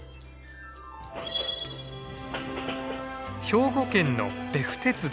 兵庫県の別府鉄道。